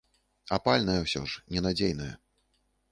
Апальная ўсё ж, ненадзейная.